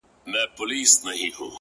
څه عجيب شاني مثال د چا د ياد.